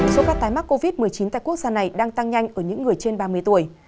số ca tái mắc covid một mươi chín tại quốc gia này đang tăng nhanh ở những người trên ba mươi tuổi